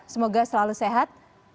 semoga selalu sehat